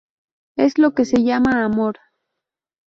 Es lo que se llama amor".